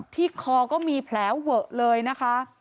ที่คอก็มีแผลเวอะเลยนะคะ